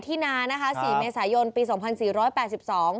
ที่นานะคะสี่เมษายนปีสองพันสี่ร้อยแปดสิบสอง